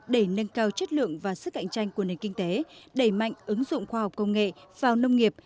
để nâng cao chất lượng và sức cạnh tranh của nền kinh tế đẩy mạnh ứng dụng khoa học công nghệ vào nông nghiệp